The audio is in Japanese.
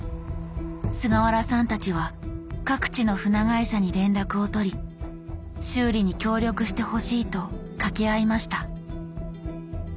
菅原さんたちは各地の船会社に連絡を取り修理に協力してほしいと掛け合いました。